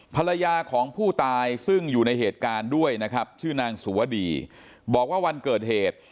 ภรรยาของผู้ตายซึ่งอยู่ในเหตุการณ์ด้วยนะครับชื่อนางสุวดีบอกว่าวันเกิดเหตุ